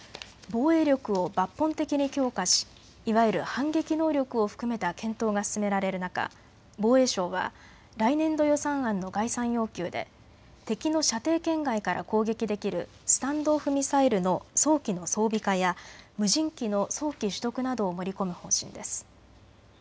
防衛力を抜本的に強化しいわゆる反撃能力を含めた検討が進められる中、防衛省は来年度予算案の概算要求で敵の射程圏外から攻撃できるスタンド・オフ・ミサイルの早期の装備化や無人機の早期取得などを盛り込む方針です。